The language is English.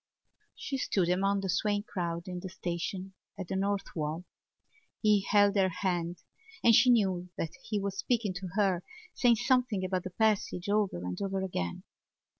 She stood among the swaying crowd in the station at the North Wall. He held her hand and she knew that he was speaking to her, saying something about the passage over and over again.